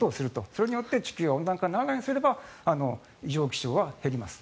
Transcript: それによって地球温暖化にならないようにすれば異常気象は減ります。